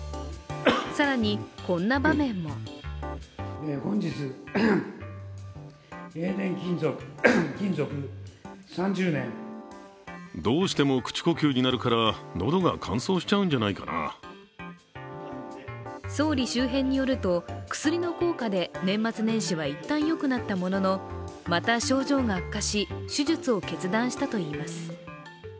更に、こんな場面も総理周辺によると薬の効果で、年末年始はいったんよくなったもののまた症状が悪化し手術を決断したといいます。